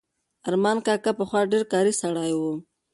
ارمان کاکا پخوا ډېر کاري سړی و.